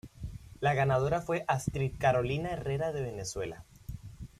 La ganadora fue Astrid Carolina Herrera de Venezuela.